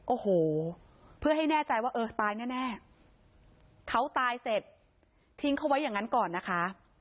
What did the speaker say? โอ้โหเพื่อให้แน่ใจว่าเออตายแน่เขาตายเสร็จทิ้งเขาไว้อย่างนั้นก่อนนะคะ